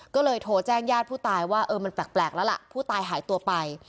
ก็เลยโทรแจ้งญาติผู้ตายว่าเออมันแปลกแล้วล่ะผู้ตายหายตัวไป